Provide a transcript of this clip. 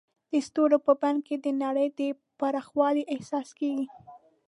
د ستورو په بڼه کې د نړۍ د پراخوالي احساس کېږي.